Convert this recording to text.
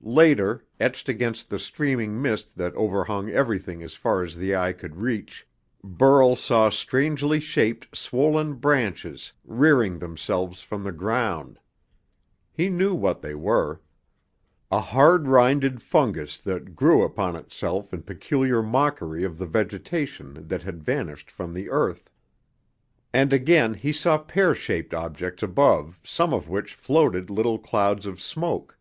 Later, etched against the steaming mist that overhung everything as far as the eye could reach, Burl saw strangely shaped, swollen branches rearing themselves from the ground. He knew what they were. A hard rinded fungus that grew upon itself in peculiar mockery of the vegetation that had vanished from the earth. And again he saw pear shaped objects above some of which floated little clouds of smoke.